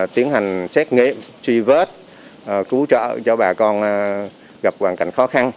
tiến hành xét nghiệm suy vớt cứu trợ cho bà con gặp hoàn cảnh khó khăn